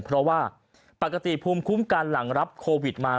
เพราะว่าปกติภูมิคุ้มกันหลังรับโควิดมา